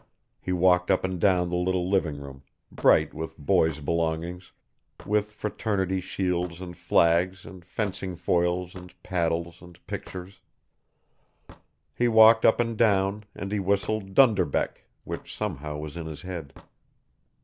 He walked up and down the little living room, bright with boys' belongings, with fraternity shields and flags and fencing foils and paddles and pictures; he walked up and down and he whistled "Dunderbeck," which somehow was in his head.